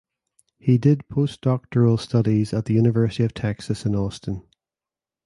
He did postdoctoral studies at the University of Texas at Austin.